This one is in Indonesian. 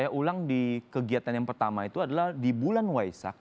saya ulang di kegiatan yang pertama itu adalah di bulan waisak